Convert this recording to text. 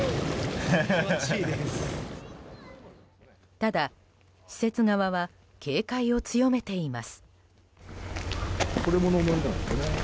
ただ、施設側は警戒を強めています。